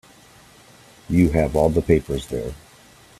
You have all the papers there.